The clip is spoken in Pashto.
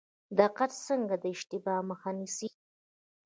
دقت څنګه د اشتباه مخه نیسي؟